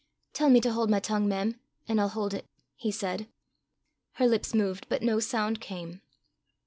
"Tell me to haud my tongue, mem, an' I'll haud it," he said. Her lips moved, but no sound came.